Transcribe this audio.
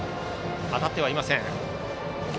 当たってはいません。